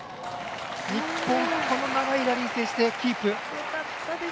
日本、この長いラリーを制してキープ。